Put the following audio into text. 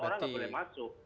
orang nggak boleh masuk